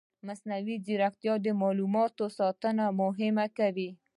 مصنوعي ځیرکتیا د معلوماتو ساتنه مهمه کوي.